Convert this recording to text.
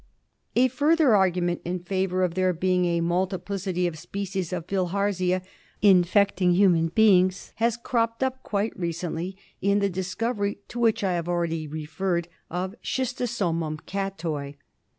57 A further argument in favour of there heing a multipli city of species of Bilharzia infecting human beings has cropped up quite recently in the discovery, to which I have already referred, of Schistosomum caitoi.